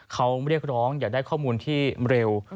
เขาเรียกร้องอยากได้ข้อมูลที่เร็ว